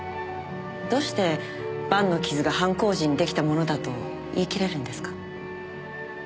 どうして盤の傷が犯行時に出来たものだと言い切れるんですか？